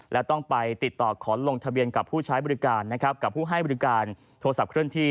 และต้องไปติดต่อขอลงทะเบียนกับผู้ใช้บริการนะครับกับผู้ให้บริการโทรศัพท์เคลื่อนที่